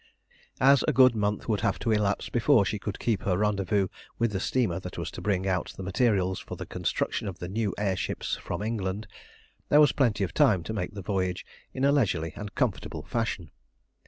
As a good month would have to elapse before she could keep her rendezvous with the steamer that was to bring out the materials for the construction of the new air ships from England, there was plenty of time to make the voyage in a leisurely and comfortable fashion.